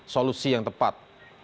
solusi yang tepat